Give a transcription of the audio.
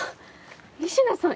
仁科さん